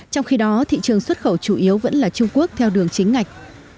trong khi đó thị trường xuất khẩu chủ yếu vẫn là trung quốc theo đường chính ngạch